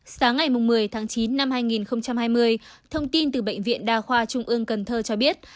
sáng ngày một mươi tháng chín năm hai nghìn hai mươi thông tin từ bệnh viện đa khoa trung ương cần thơ cho biết